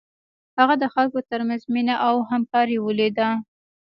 هغه د خلکو تر منځ مینه او همکاري ولیده.